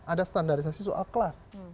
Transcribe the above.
ada standarisasi soal kelas